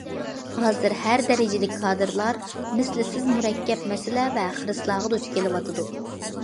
ھازىر ھەر دەرىجىلىك كادىرلار مىسلىسىز مۇرەككەپ مەسىلە ۋە خىرىسلارغا دۇچ كېلىۋاتىدۇ.